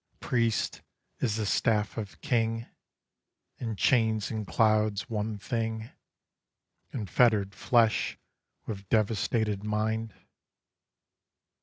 Priest is the staff of king, And chains and clouds one thing, And fettered flesh with devastated mind.